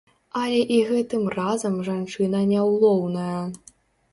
Але і гэтым разам жанчына няўлоўная.